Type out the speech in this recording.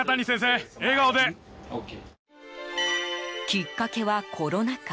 きっかけはコロナ禍。